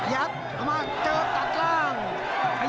เอามาเจอตัดล่าง